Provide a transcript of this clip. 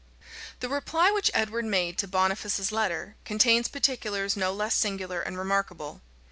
{1301.} The reply which Edward made to Boniface's letter, contains particulars no less singular and remarkable.